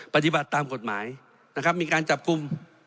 ปฏิบัติตามกฎหมายมีการจับกุม